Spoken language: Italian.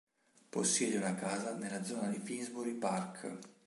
Possiede una casa nella zona di Finsbury Park.